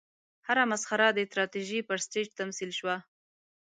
هره مسخره د تراژیدۍ پر سټېج تمثیل شوه.